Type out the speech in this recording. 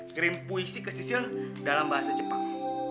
gerim puisi ke sisil dalam bahasa jepang